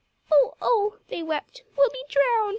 "Oh! oh!" they wept. "We'll be drowned!